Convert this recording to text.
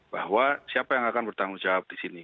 bahwa siapa yang akan bertanggung jawab disini